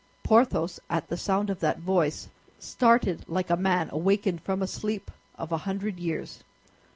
Porthos, at the sound of that voice, started like a man awakened from a sleep of a hundred years.